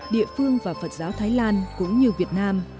địa phương và phật giáo thái lan cũng như việt nam